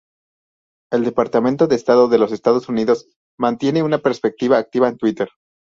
El Departamento de Estado de los Estados Unidos mantiene una presencia activa en Twitter.